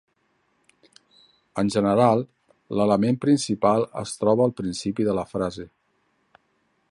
En general l'element principal es troba al principi de la frase.